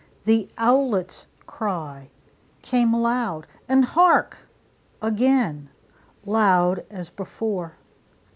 The owlet's cry Came loud and hark, again! loud as before.